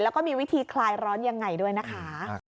แล้วก็มีวิธีคลายร้อนยังไงด้วยนะคะ